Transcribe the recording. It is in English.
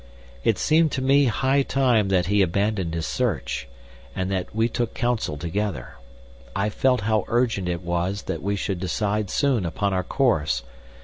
It seemed to me high time that he abandoned his search, and that we took counsel together. I felt how urgent it was that we should decide soon upon our course.